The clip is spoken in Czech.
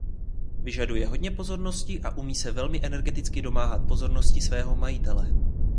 Vyžaduje hodně pozornosti a umí se velmi energicky domáhat pozornosti svého majitele.